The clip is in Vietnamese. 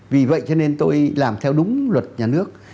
vì vậy cho nên tôi làm theo đúng luật nhà nước